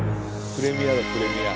プレミアだプレミア。